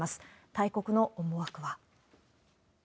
大国の思惑は。